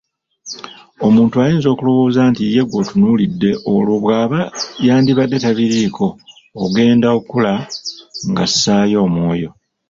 Omuntu ayinza okulowooza nti ye gw'otunuulidde olwo bw'aba yandibadde tabiriiko, ogenda okula ng'assaayo omwoyo.